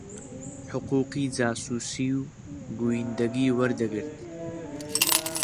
حقووقی جاسووسی و گوویندەگی وەردەگرت